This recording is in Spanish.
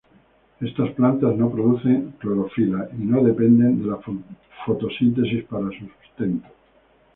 Estas plantas no producen clorofila y no dependen de la fotosíntesis para su sustento.